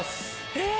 えっ！